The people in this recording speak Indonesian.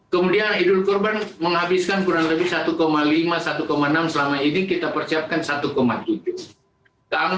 kemudian idul kurban menghabiskan kurang lebih satu lima satu enam selama ini kita persiapkan satu tujuh